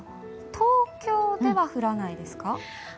東京では降らないですか？